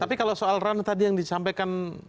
tapi kalau soal run tadi yang disampaikan